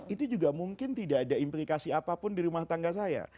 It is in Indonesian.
itu juga mungkin tidak ada implikasi apapun di rumah tangga saya